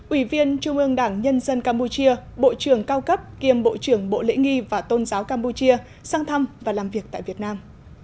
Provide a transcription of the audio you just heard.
ủy viên trung ương đảng nhân dân campuchia bộ trưởng cao cấp kiêm bộ trưởng bộ lễ nghi và tôn giáo campuchia sang thăm và làm việc tại việt nam